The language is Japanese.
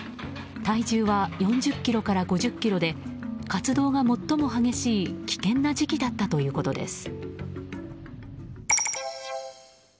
体重は４０ｋｇから５０ｋｇで活動が最も激しい危険な時期だったということです。